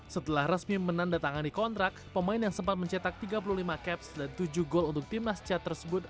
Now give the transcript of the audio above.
setelah resmi menandatangani kontrak pemain yang sempat mencetak tiga puluh lima caps dan tujuh gol untuk tim nas cat tersebut